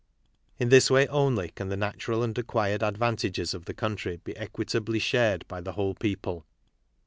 In this way only can the natural and acqmred advantages of the country be equitably shared by the whole people.